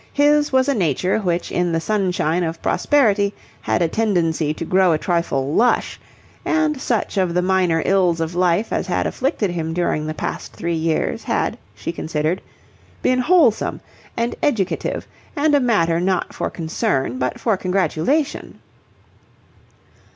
His was a nature which in the sunshine of prosperity had a tendency to grow a trifle lush; and such of the minor ills of life as had afflicted him during the past three years, had, she considered, been wholesome and educative and a matter not for concern but for congratulation.